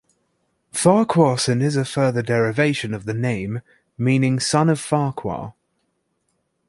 Farquharson is a further derivation of the name, meaning "son of Farquhar".